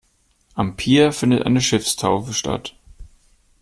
Am Pier findet eine Schiffstaufe statt.